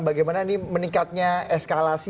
bagaimana ini meningkatnya eskalasi